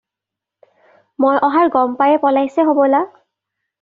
মই অহাৰ গম পায়েই পলাইছে হ'বলা?